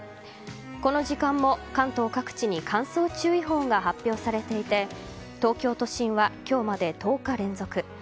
この時間も関東各地に乾燥注意報が発表されていて東京都心は今日まで１０日連続。